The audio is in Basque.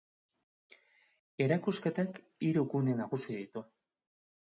Erakusketak hiru gune nagusi ditu.